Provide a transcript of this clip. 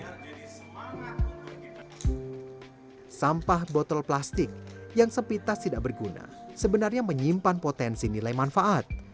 sampah botol plastik yang sepitas tidak berguna sebenarnya menyimpan potensi nilai manfaat